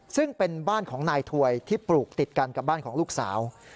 ซึ่งเป็นบ้านของนายถวยที่ปลูกติดกันกับบ้านของลูกสาว